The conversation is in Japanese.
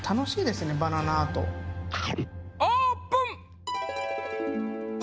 オープン！